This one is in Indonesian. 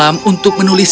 jangan terkena cinta